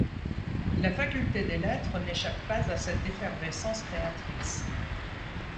La Faculté des Lettres n'échappe pas à cette effervescence créatrice.